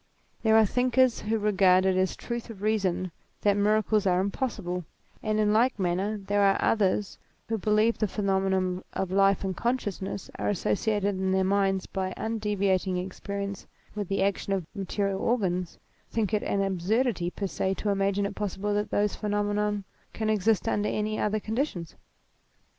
There are thinkers who regard it as a truth of reason that miracles are impossible ; and in like manner there are others who because the phenomena of life and consciousness are associated in their minds by undeviating experience with the action of material organs, think it an ab surdity per se to imagine it possible that those phenomena can exist under any other conditions.